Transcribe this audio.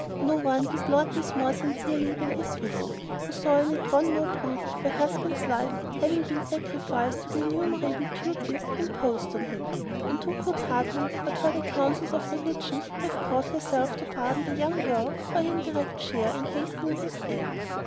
No one deplored this more sincerely than his widow, who saw in it one more proof of her husband's life having been sacrificed to the innumerable duties imposed on him, and who could hardly but for the counsels of religion have brought herself to pardon the young girl for her indirect share in hastening his end.